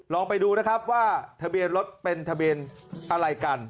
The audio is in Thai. ลองไปดูนะครับว่าทะเบียนรถเป็นทะเบียนอะไรกัน